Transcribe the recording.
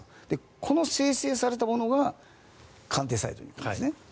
この生成されたものが官邸サイドに行くんですね。